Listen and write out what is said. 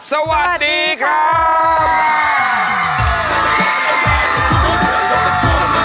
สวัสดีครับ